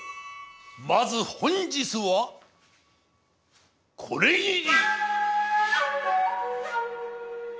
まず本日はこれぎり。